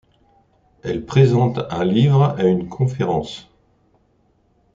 Elle présente un livre à une conférence.